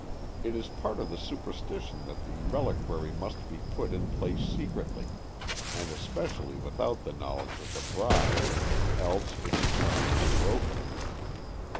It is part of the superstition that the reliquary must be put in place secretly, and especially without the knowledge of the bride, else its charm is broken.